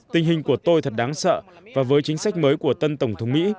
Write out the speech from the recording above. tình hình của tôi thật đáng sợ và với chính sách mới của tân tổng thống mỹ